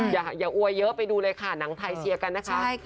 อย่าอันเอาเยอะนะเดี๋ยวว่าน้ำไถ่เชียร์กันนะ